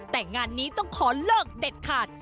แต่งานนี้ต้องขอเลิกเด็ดขาด